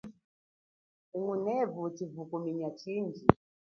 Hingunevu chivukuminya chindji.